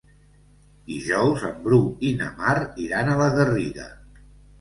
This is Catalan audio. Dijous en Bru i na Mar iran a la Garriga.